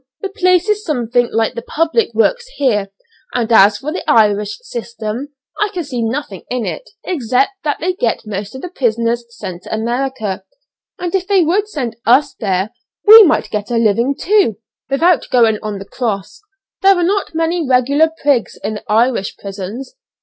the place is something like the public works here, and as for the Irish System I can see nothing in it except that they get most of the prisoners sent to America, and if they would send us there, we might get a living too, without going on the cross! There are not many regular prigs in the Irish prisons.